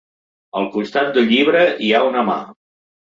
Al costat del llibre hi ha una mà.